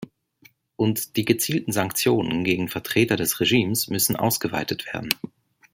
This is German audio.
Und die gezielten Sanktionen gegen Vertreter des Regimes müssen ausgeweitet werden.